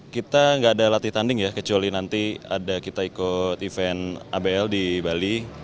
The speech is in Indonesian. kita nggak ada latih tanding ya kecuali nanti ada kita ikut event abl di bali